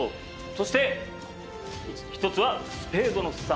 そして１つはスペードの３。